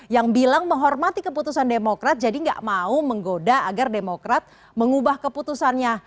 yang bilang menghormati keputusan demokrat jadi nggak mau menggoda agar demokrat mengubah keputusannya